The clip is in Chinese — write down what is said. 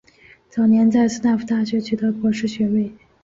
早年在斯坦福大学取得博士学位。